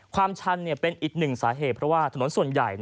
ชันเป็นอีกหนึ่งสาเหตุเพราะว่าถนนส่วนใหญ่